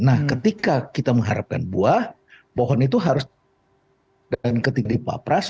nah ketika kita mengharapkan buah pohon itu harus dipapres